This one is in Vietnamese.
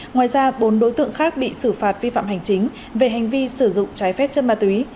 ngoài ra bốn đối tượng khác bị xử phạt vi phạm hành chính về hành vi sử dụng trái phép chân ma túy